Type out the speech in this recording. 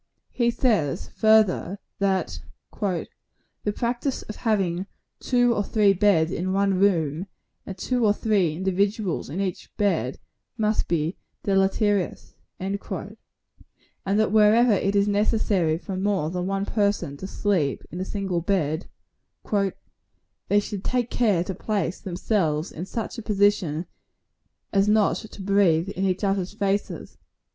He says, further, that "the practice of having two or three beds in one room, and two or three individuals in each bed, must be deleterious;" and that wherever it is necessary for more than one person to sleep in a single bed, "they should take care to place themselves in such a position as not to breathe in each others' faces."